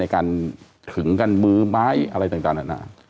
การถึงกันมือไม้อะไรต่างนานา